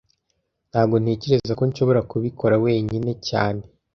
Ntago ntekereza ko nshobora kubikora wenyine cyane